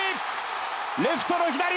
レフトの左！